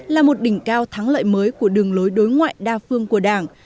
là một đỉnh cao thắng lợi mới của đường lối đối ngoại đa phương của đảng